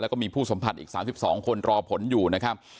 แล้วก็มีผู้สัมผัสอีก๓๒คนรอผลอยู่นะครับ